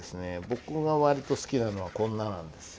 僕が割と好きなのはこんななんです。